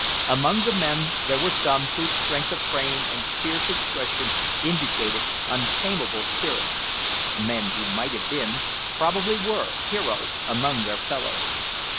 Among the men there were some whose strength of frame and fierce expression indicated untameable spirits men who might have been, probably were, heroes among their fellows.